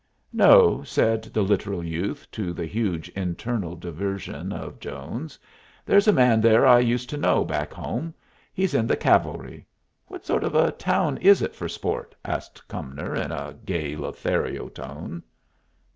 "No," said the literal youth, to the huge internal diversion of Jones. "There's a man there I used to know back home. He's in the cavalry. What sort of a town is it for sport?" asked Cumnor, in a gay Lothario tone.